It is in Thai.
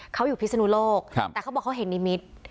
เขาอยู่พิศนุโลกแต่เขาบอกเขาเห็นนิมิตร